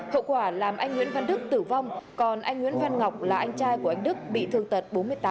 hậu quả làm anh nguyễn văn đức tử vong còn anh nguyễn văn ngọc là anh trai của anh đức bị thương tật bốn mươi tám